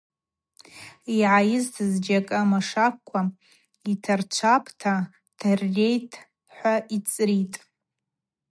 Йгӏайызтын – зджьакӏы амашаквква йыртачӏвапӏта тыррейтӏ – хӏва йцӏритӏ.